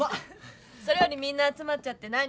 それよりみんな集まっちゃって何？